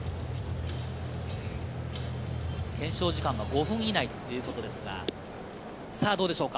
検証時間は５分以内ということですが、どうでしょうか。